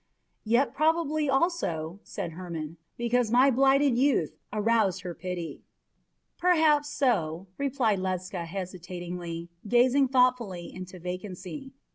"Yet probably also," said Hermon, "because my blighted youth aroused her pity." "Perhaps so," replied Ledscha hesitatingly, gazing thoughtfully into vacancy.